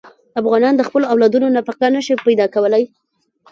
افغانان د خپلو اولادونو نفقه نه شي پیدا کولی.